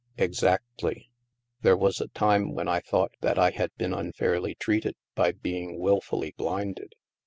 " Exactly. There was a time when I thought that I had been unfairly treated by being wilfully blinded.